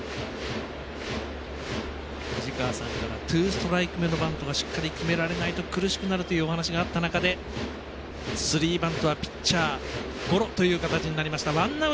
藤川さんからツーストライク目のバントがしっかり決められないと苦しくなるというお話があった中スリーバントはピッチャーゴロという形になりました。